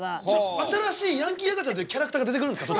新しいヤンキー赤ちゃんっていうキャラクターが出てくるんですか？